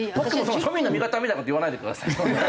庶民の味方みたいな事言わないでください。